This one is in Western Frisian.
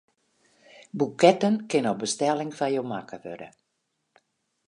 Boeketten kinne op bestelling foar jo makke wurde.